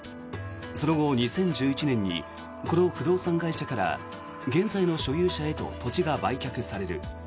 その後、２０１１年にこの不動産会社から現在の所有者へと土地が売却される。